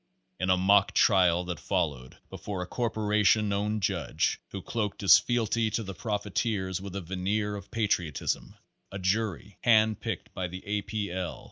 In a mock trial that followed, before a corporation owned judge, who cloaked his fealty to the profiteers Page Thirty three with a veneer of patriotism, a jury, hand picked by the A. P. L.